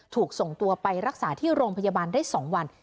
ถูกส่งตัวไปรักษาที่โรงพยาบาลได้๒วัน